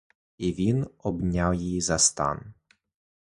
І він обняв її за стан.